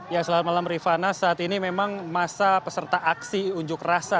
ya selamat malam rifana saat ini memang masa peserta aksi unjuk rasa